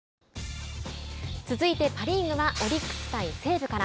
続いてパ・リーグはオリックスと西武から。